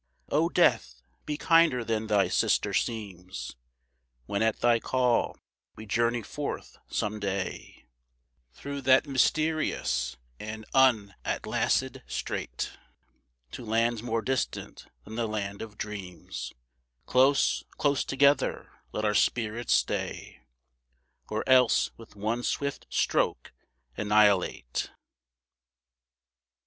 O Death! be kinder than thy sister seems, When at thy call we journey forth some day, Through that mysterious and unatlased strait, To lands more distant than the land of dreams; Close, close together let our spirits stay, Or else, with one swift stroke annihilate!